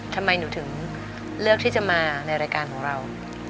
ทำไมหนูถึงเลือกที่จะมาในรายการของเรา